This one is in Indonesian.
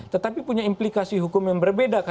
tetapi punya implikasi hukum yang berbeda